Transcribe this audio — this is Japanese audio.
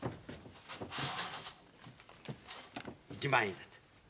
一万円札。